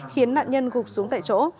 khiến nạn nhân gục xuống tại chỗ